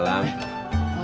masuk mang masuk mang